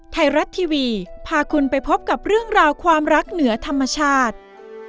ไทยรัฐทีวีพาคุณไปพบกับเรื่องราวความรักเหนือธรรมชาติ